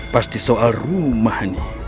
pasti soal rumah nih